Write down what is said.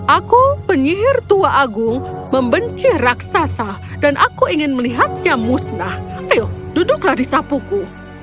aku penyihir tua agung membenci raksasa dan aku ingin melihatnya musnah ayo duduklah di sapuku